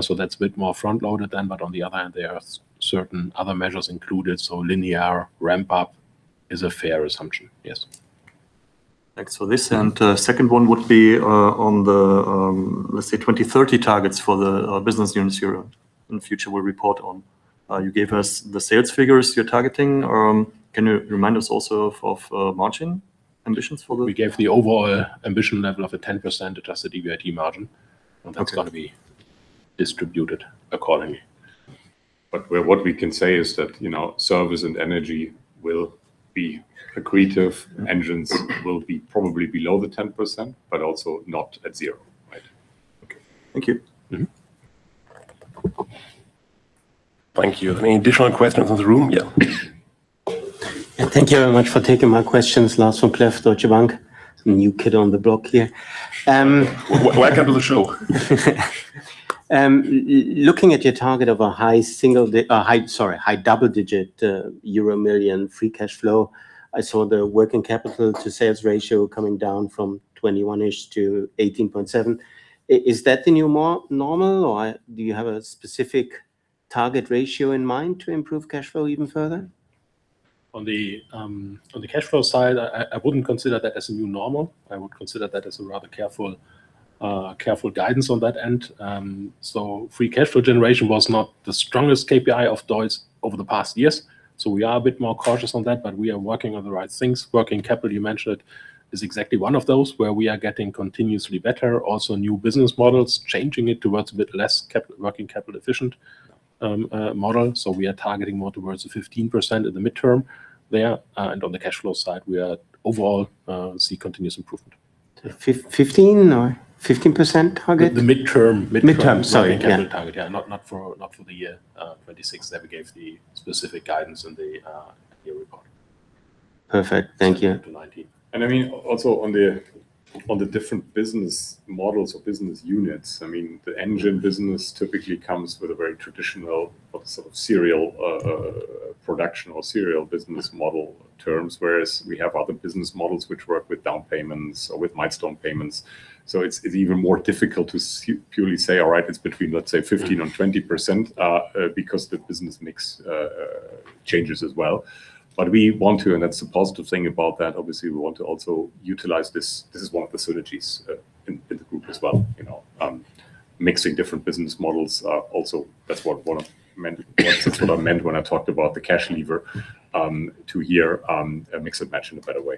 so that's a bit more front-loaded than. On the other hand, there are certain other measures included, so linear ramp-up is a fair assumption. Yes. Thanks for this. Second one would be on the, let's say, 2030 targets for the business units you, in future, will report on. You gave us the sales figures you're targeting. Can you remind us also of margin ambitions for the- We gave the overall ambition level of a 10% adjusted EBIT margin. Okay. That's gonna be distributed accordingly. What we can say is that, you know, service and energy will be accretive. Engines will be probably below the 10%, but also not at zero. Right. Okay. Thank you. Mm-hmm. Thank you. Any additional questions in the room? Yeah. Thank you very much for taking my questions. Lars Vom-Cleff, Deutsche Bank. I'm the new kid on the block here. Welcome to the show. Looking at your target of a high double-digit euro million free cash flow, I saw the working capital to sales ratio coming down from 21-ish to 18.7. Is that the new normal, or do you have a specific target ratio in mind to improve cash flow even further? On the cash flow side, I wouldn't consider that as a new normal. I would consider that as a rather careful guidance on that end. Free cash flow generation was not the strongest KPI of DEUTZ over the past years, so we are a bit more cautious on that, but we are working on the right things. Working capital, you mentioned, is exactly one of those where we are getting continuously better. Also, new business models, changing it towards a bit less CapEx, working capital efficient model. We are targeting more towards the 15% in the midterm there. On the cash flow side, we are overall seeing continuous improvement. 15% target? The midterm. Sorry. Yeah. working capital target. Yeah. Not for the year 2026. That we gave the specific guidance in the annual report. Perfect. Thank you. To 90. I mean, also on the different business models or business units, I mean, the engine business typically comes with a very traditional of sort of serial production or serial business model terms, whereas we have other business models which work with down payments or with milestone payments. It's even more difficult to purely say, all right, it's between, let's say, 15% and 20%, because the business mix changes as well. We want to, and that's the positive thing about that, obviously, we want to also utilize this. This is one of the synergies in the group as well. You know, mixing different business models, also that's what I meant when I talked about the cash lever to here, and mix and match in a better way.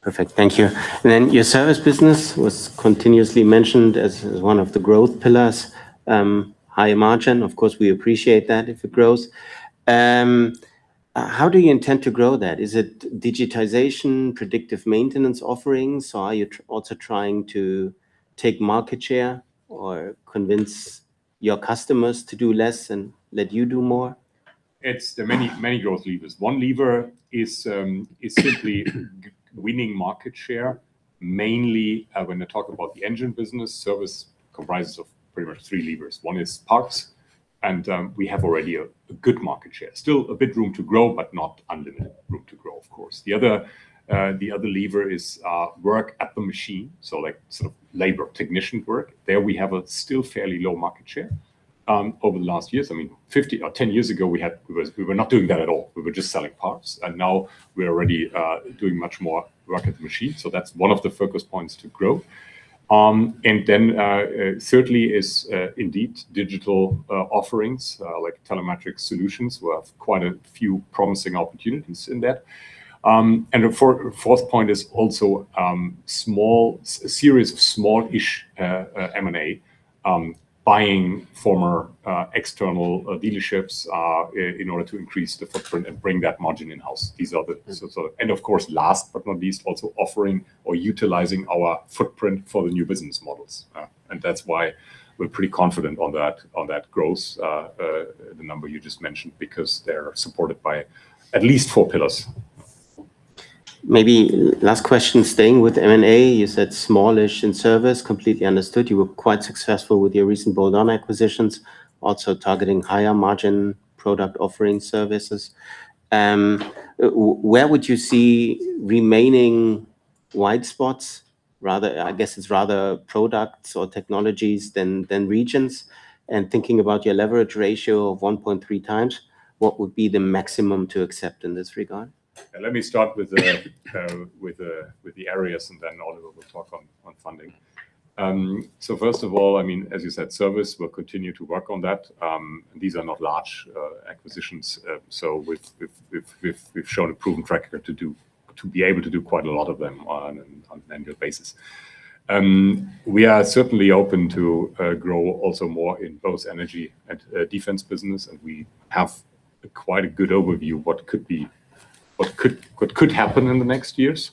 Perfect. Thank you. Your service business was continuously mentioned as one of the growth pillars. High margin, of course, we appreciate that if it grows. How do you intend to grow that? Is it digitization, predictive maintenance offerings? Or are you also trying to take market share or convince your customers to do less and let you do more? It's the many, many growth levers. One lever is simply winning market share. Mainly, when I talk about the engine business, service comprises of pretty much three levers. One is parts, and we have already a good market share. Still a bit room to grow, but not unlimited room to grow, of course. The other lever is work at the machine, so like sort of labor, technician work. There we have still a fairly low market share. Over the last years, I mean, 50 or 10 years ago, we were not doing that at all. We were just selling parts, and now we're already doing much more work at the machine. That's one of the focus points to grow. Thirdly is indeed digital offerings like telematic solutions. We have quite a few promising opportunities in that. The fourth point is also a series of small-ish M&A, buying former external dealerships in order to increase the footprint and bring that margin in-house. These are the sort of. Of course, last but not least, also offering or utilizing our footprint for the new business models. That's why we're pretty confident on that growth, the number you just mentioned, because they're supported by at least four pillars. Maybe last question, staying with M&A, you said small-ish in service. Completely understood. You were quite successful with your recent bolt-on acquisitions, also targeting higher margin product offering services. Where would you see remaining wide spots rather, I guess it's rather products or technologies than regions? And thinking about your leverage ratio of 1.3x, what would be the maximum to accept in this regard? Let me start with the areas, and then Oliver will talk on funding. First of all, I mean, as you said, service, we'll continue to work on that. These are not large acquisitions. We've shown a proven track record to be able to do quite a lot of them on an annual basis. We are certainly open to grow also more in both energy and defense business, and we have quite a good overview what could happen in the next years.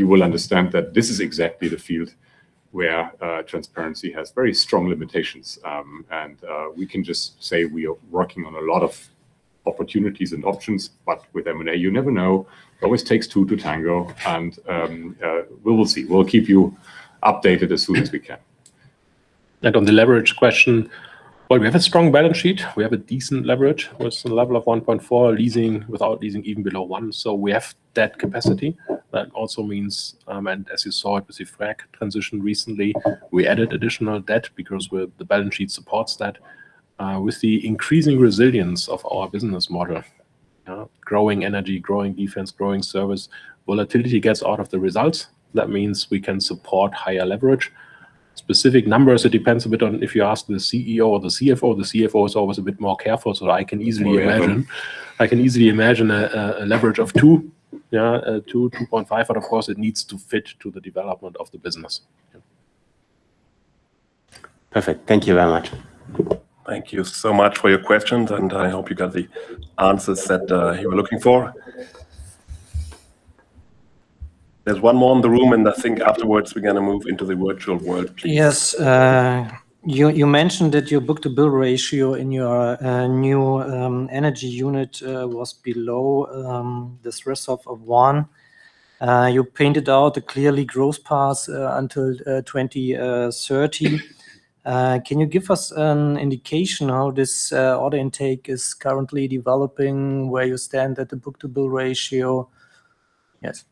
You will understand that this is exactly the field where transparency has very strong limitations. We can just say we are working on a lot of opportunities and options. With M&A, you never know. It always takes two to tango, and we will see. We'll keep you updated as soon as we can. On the leverage question, well, we have a strong balance sheet. We have a decent leverage with the level of 1.4x, leasing, without leasing even below 1x. We have that capacity. That also means, and as you saw it with the Frerk transaction recently, we added additional debt because the balance sheet supports that. With the increasing resilience of our business model, you know, growing energy, growing defense, growing service, volatility gets out of the results. That means we can support higher leverage. Specific numbers, it depends a bit on if you ask the CEO or the CFO. The CFO is always a bit more careful, so I can easily imagine- More careful. I can easily imagine a leverage of 2x. Yeah, 2.5x, but of course, it needs to fit to the development of the business. Yeah. Perfect. Thank you very much. Thank you so much for your questions, and I hope you got the answers that you were looking for. There's one more in the room, and I think afterwards we're gonna move into the virtual world, please. Yes. You mentioned that your book-to-bill ratio in your new Energy unit was below the threshold of one. You pointed out a clear growth path until 2030. Can you give us an indication how this order intake is currently developing, where you stand at the book-to-bill ratio? Yes.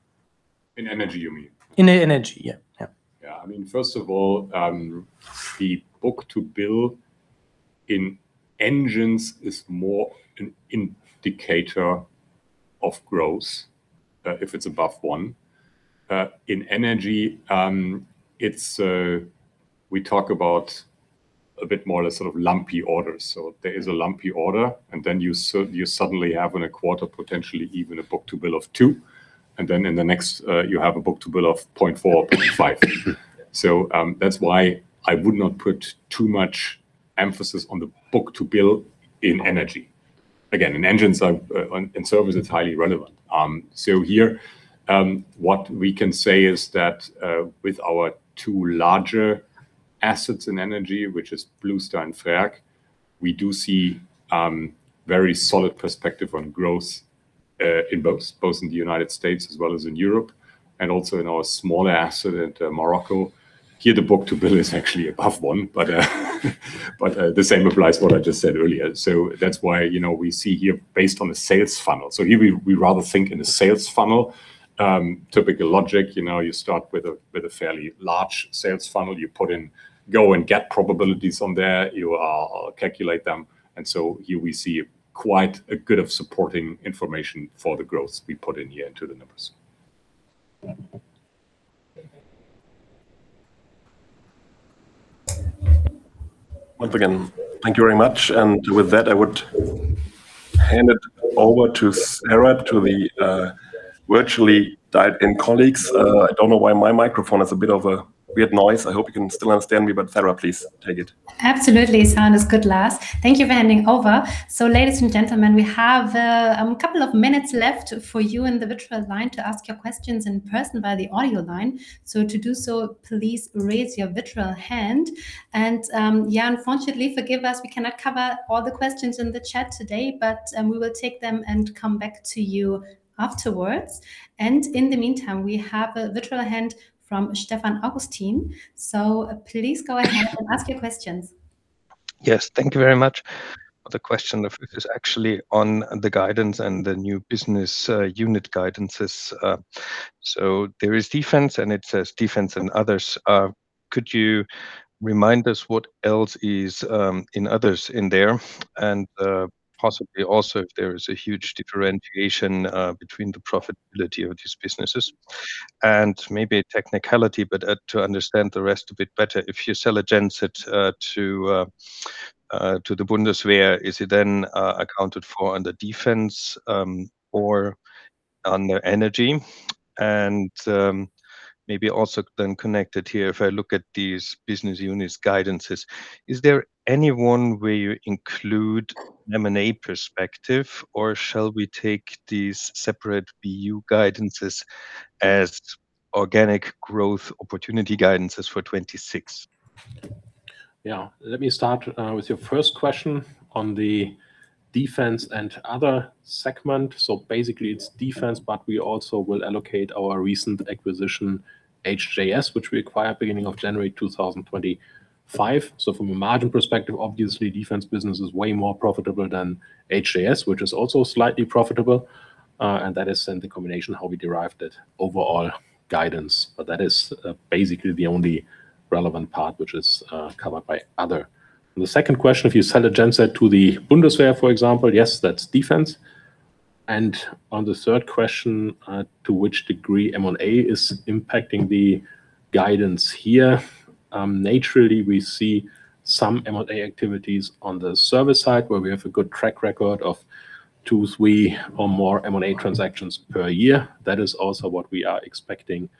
In energy, you mean? In Energy, yeah. Yeah. Yeah. I mean, first of all, the book-to-bill in engines is more an indicator of growth, if it's above 1. In energy, it's, we talk about a bit more the sort of lumpy orders. There is a lumpy order, and then you suddenly have in a quarter potentially even a book-to-bill of 2, and then in the next, you have a book-to-bill of 0.4, 0.5. That's why I would not put too much emphasis on the book-to-bill in energy. Again, in engines and service, it's highly relevant. Here, what we can say is that, with our two larger assets in energy, which is Blue Star and Frerk. We do see very solid prospects for growth in both the United States as well as in Europe, and also in our small asset in Morocco. Here the book-to-bill is actually above one, but the same applies what I just said earlier. That's why, you know, we see here based on the sales funnel. Here we rather think in a sales funnel. Typical logic, you know, you start with a fairly large sales funnel. You put in go/no-go probabilities on there. You calculate them. Here we see quite a good deal of supporting information for the growth we put in here into the numbers. Once again, thank you very much. With that, I would hand it over to Sarah, to the virtually dialed in colleagues. I don't know why my microphone has a bit of a weird noise. I hope you can still understand me, but Sarah, please take it. Absolutely, sound is good, Lars. Thank you for handing over. Ladies and gentlemen, we have a couple of minutes left for you in the virtual line to ask your questions in person via the audio line. To do so, please raise your virtual hand. Yeah, unfortunately, forgive us, we cannot cover all the questions in the chat today, but we will take them and come back to you afterwards. In the meantime, we have a virtual hand from Stefan Augustin. Please go ahead and ask your questions. Yes. Thank you very much. The question is actually on the guidance and the new business unit guidances. So there is defense, and it says defense and others. Could you remind us what else is in others in there, and possibly also if there is a huge differentiation between the profitability of these businesses? And maybe a technicality, but to understand the rest a bit better, if you sell a genset to the Bundeswehr, is it then accounted for under defense or under energy? And maybe also then connected here, if I look at these business units guidances, is there any one where you include M&A perspective, or shall we take these separate BU guidances as organic growth opportunity guidances for 2026? Yeah. Let me start with your first question on the defense and other segment. Basically, it's defense, but we also will allocate our recent acquisition, HJS, which we acquired beginning of January 2025. From a margin perspective, obviously, defense business is way more profitable than HJS, which is also slightly profitable. That is in the combination how we derived it overall guidance. That is basically the only relevant part which is covered by other. The second question, if you sell a genset to the Bundeswehr, for example, yes, that's defense. On the third question, to which degree M&A is impacting the guidance here, naturally we see some M&A activities on the service side, where we have a good track record of two, three, or more M&A transactions per year. That is also what we are expecting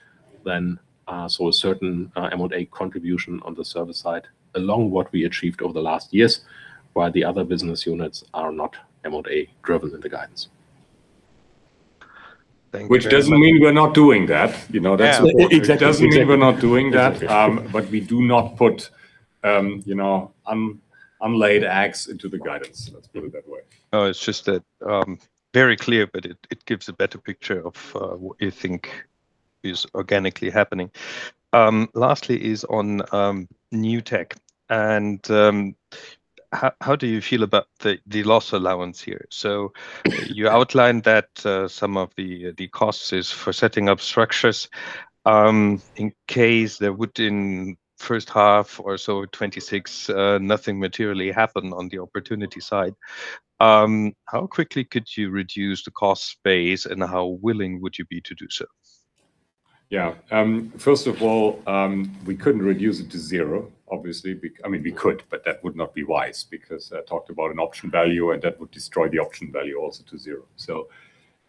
then, so a certain M&A contribution on the service side, along what we achieved over the last years, while the other business units are not M&A-driven in the guidance. Thank you very much. Which doesn't mean we're not doing that. You know, that's important. Yeah. Exactly, exactly. It doesn't mean we're not doing that. We do not put, you know, unlaid eggs into the guidance. Let's put it that way. No, it's just that it's very clear, but it gives a better picture of what you think is organically happening. Lastly is on new tech, and how do you feel about the loss allowance here? You outlined that some of the costs is for setting up structures. In case there would be in first half or so of 2026, nothing materially happen on the opportunity side, how quickly could you reduce the cost base, and how willing would you be to do so? Yeah. First of all, we couldn't reduce it to zero, obviously. I mean, we could, but that would not be wise because I talked about an option value, and that would destroy the option value also to zero.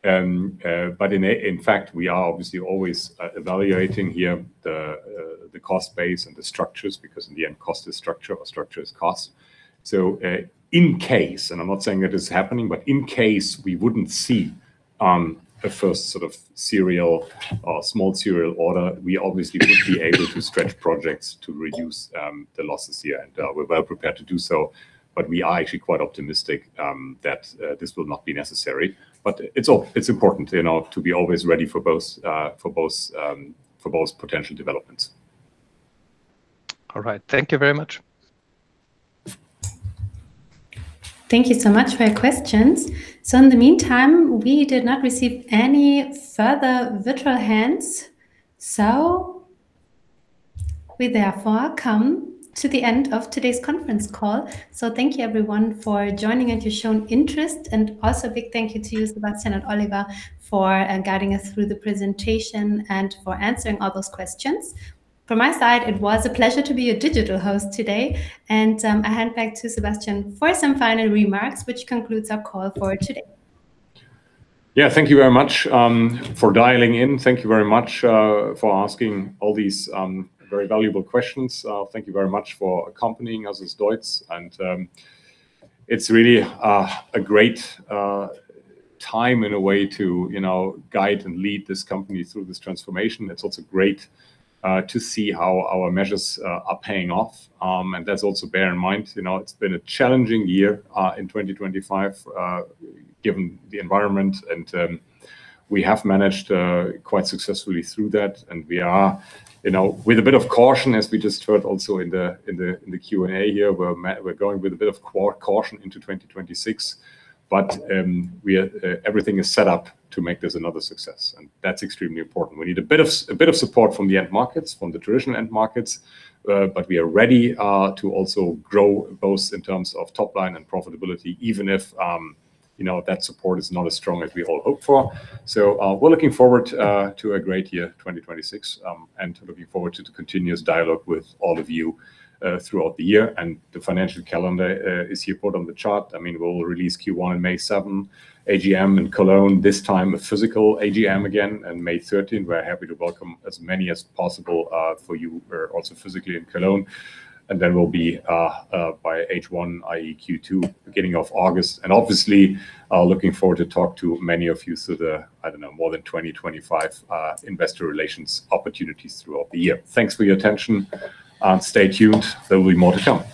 In fact, we are obviously always evaluating here the cost base and the structures because in the end, cost is structure or structure is cost. In case, and I'm not saying it is happening, but in case we wouldn't see a first sort of serial or small serial order, we obviously would be able to stretch projects to reduce the losses here, and we're well prepared to do so. We are actually quite optimistic that this will not be necessary. It's important, you know, to be always ready for both potential developments. All right. Thank you very much. Thank you so much for your questions. In the meantime, we did not receive any further virtual hands, so we therefore come to the end of today's conference call. Thank you everyone for joining and your shown interest, and also a big thank you to you, Sebastian and Oliver, for guiding us through the presentation and for answering all those questions. From my side, it was a pleasure to be your digital host today, and I hand back to Sebastian for some final remarks, which concludes our call for today. Yeah. Thank you very much for dialing in. Thank you very much for asking all these very valuable questions. Thank you very much for accompanying us as DEUTZ. It's really a great time in a way to, you know, guide and lead this company through this transformation. It's also great to see how our measures are paying off. Let's also bear in mind, you know, it's been a challenging year in 2025 given the environment and we have managed quite successfully through that and we are, you know, with a bit of caution, as we just heard also in the Q&A here, we're going with a bit of caution into 2026. We are everything is set up to make this another success, and that's extremely important. We need a bit of support from the end markets, from the traditional end markets, but we are ready to also grow both in terms of top line and profitability, even if you know that support is not as strong as we all hope for. We're looking forward to a great year, 2026, and looking forward to the continuous dialogue with all of you throughout the year. The financial calendar is here put on the chart. I mean, we will release Q1 on May 7, AGM in Cologne, this time a physical AGM again, in May 13. We're happy to welcome as many as possible for you who are also physically in Cologne. We'll be by H1, i.e. Q2, beginning of August. Obviously, looking forward to talk to many of you through the, I don't know, more than 2025 investor relations opportunities throughout the year. Thanks for your attention. Stay tuned. There will be more to come.